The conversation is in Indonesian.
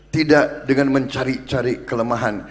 tidak dengan mencari cari kelemahan